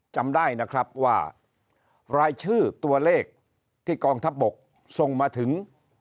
จำได้นะครับว่ารายชื่อตัวเลขที่กองทัพบกส่งมาถึง